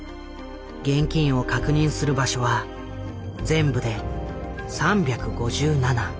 現金を確認する場所は全部で３５７。